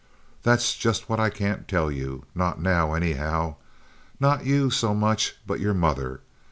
"That's just what I can't tell you—not now, anyhow. Not you, so much, but your mother.